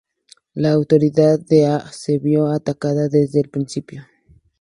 La autoridad de Hua se vio atacada desde el principio.